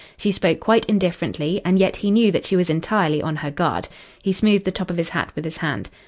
She spoke quite indifferently, and yet he knew that she was entirely on her guard. He smoothed the top of his hat with his hand.